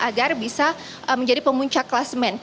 agar bisa menjadi pemuncak klasemen